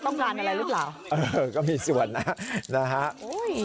ต้องการอะไรหรือเปล่าเออก็มีส่วนนะฮะนะฮะโอ้ย